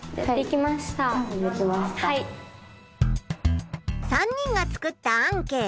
３人が作ったアンケート。